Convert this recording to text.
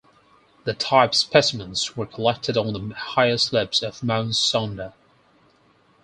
The type specimens were collected on the "higher slopes of Mount Sonder".